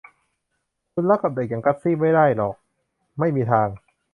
คุณรักกับเด็กอย่างกัสซี่ไม่ได้หรอก ไม่มีทาง